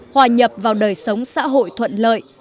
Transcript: hòa nhập vào đời sống xã hội thuận lợi